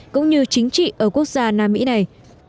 cũng như chính trị ở quốc gia nam mỹ này